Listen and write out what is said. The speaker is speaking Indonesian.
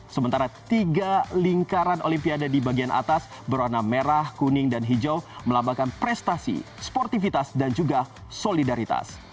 sementara tiga lingkaran olimpiade di bagian atas berwarna merah kuning dan hijau melambangkan prestasi sportivitas dan juga solidaritas